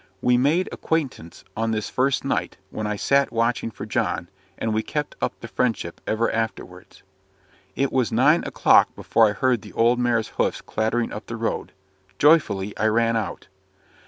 We made acquaintance on this first night, when I sat watching for John; and we kept up the friendship ever afterwards. It was nine o'clock before I heard the old mare's hoofs clattering up the road: joyfully I ran out.